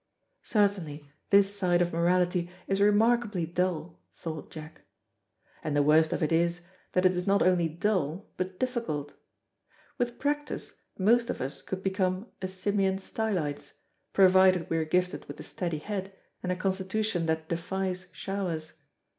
"Certainly this side of morality is remarkably dull," thought Jack; and the worst of it is, that it is not only dull but difficult. With practice most of us could become a Simeon Stylites, provided we are gifted with a steady head, and a constitution that defies showers.